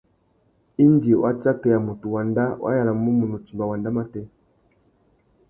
Indi wa tsakeya mutu wanda, wa yānamú munú timba wanda matê.